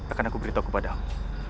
akan aku beritahu kepada aku